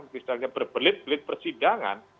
misalnya berbelit belit persidangan